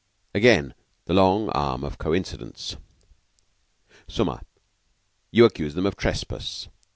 Again the long arm of coincidence! Summa. You accuse them of trespass.